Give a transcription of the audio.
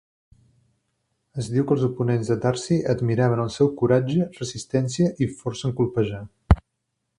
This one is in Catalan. Es diu que els oponents de Darcy admiraven el seu coratge, resistència i força en colpejar.